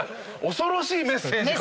恐ろしいメッセージ掲げてる。